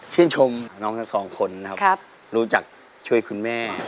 ชื่นชมน้องทั้งสองคนนะครับรู้จักช่วยคุณแม่